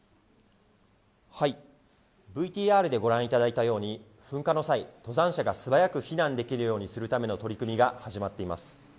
ＶＴＲでご覧いただいたように、噴火の際、登山者が素早く避難できるようにするための取り組みが始まっています。